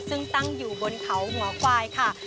ซึ่งตั้งอยู่บนเขาหัวควายค่ะ